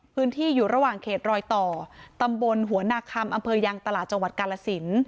อยู่ระหว่างเขตรอยต่อตำบลหัวนาคำอำเภอยังตลาดจังหวัดกาลสิน